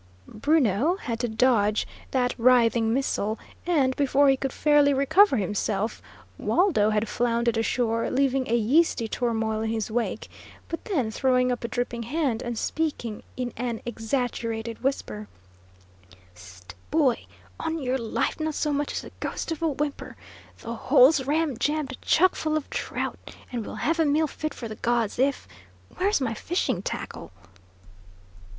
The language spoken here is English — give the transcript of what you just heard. Bruno had to dodge that writhing missile, and, before he could fairly recover himself, Waldo had floundered ashore, leaving a yeasty turmoil in his wake, but then throwing up a dripping hand, and speaking in an exaggerated whisper: "Whist, boy! On your life, not so much as the ghost of a whimper! The hole's ramjammed chuck full of trout, and we'll have a meal fit for the gods if where's my fishing tackle?"